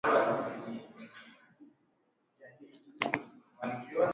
Nairobi kwa miaka kadhaa